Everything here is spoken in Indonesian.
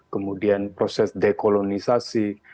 kemudian proses dekolonisasi